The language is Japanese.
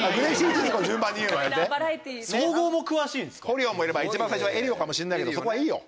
ホリオンもいれば一番最初はエリオかもしれないけどそこはいいよ。